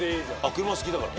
車好きだから。